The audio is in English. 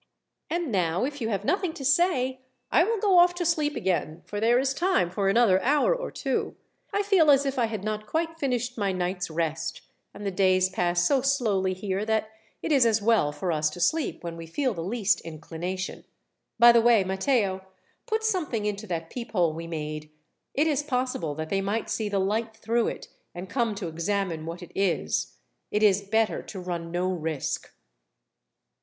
And now, if you have nothing to say, I will go off to sleep again, for there is time for another hour or two. I feel as if I had not quite finished my night's rest, and the days pass so slowly here that it is as well for us to sleep when we feel the least inclination. "By the way, Matteo, put something into that peephole we made. It is possible that they might see the light through it, and come to examine what it is. It is better to run no risk."